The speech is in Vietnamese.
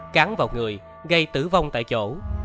cán vào người gây tử vong tại chỗ